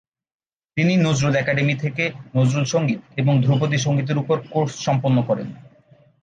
তিনি নজরুল একাডেমি থেকে নজরুল সঙ্গীত এবং ধ্রুপদী সঙ্গীতের উপর কোর্স সম্পন্ন করেন।